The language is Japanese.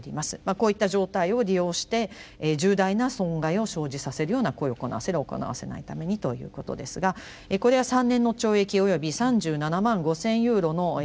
こういった状態を利用して重大な損害を生じさせるような行為を行わせる行わせないためにということですがこれは３年の懲役および３７万５，０００ユーロの罰金とすると。